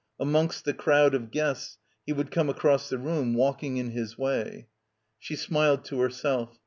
Amongst the crowd of guests, he would come across the room, walking in his way. ... She smiled to herself.